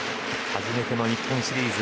初めての日本シリーズ。